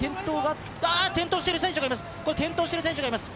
転倒してる選手がいます。